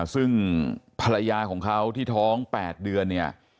ซึ่งภรรยาของเขาที่ท้อง๘เดือนเนี่ย